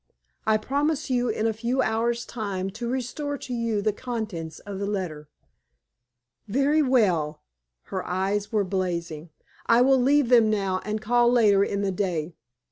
I promise you in a few hours' time to restore to you the contents of the letter." "Very well." Her eyes were blazing. "I will leave them now and call later in the day.